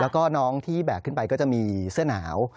แล้วก็น้องที่แบกขึ้นไปก็จะมีเสื้อหนาว